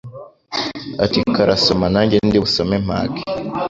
ati Karasoma, nanjye ndi busome mpage